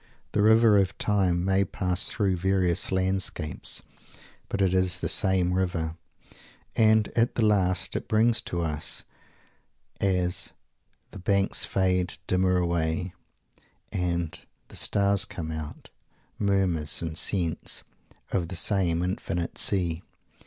The "river of time" may pass through various landscapes, but it is the same river, and, at the last, it brings to us, as "the banks fade dimmer away" and "the stars come out" "murmurs and scents" of the same infinite Sea.